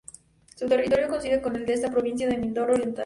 Su territorio coincide con el de esta provincia de Mindoro Oriental.